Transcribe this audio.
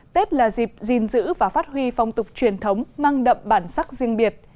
tết là dịp gìn giữ và phát huy phong tục truyền thống mang đậm bản sắc riêng biệt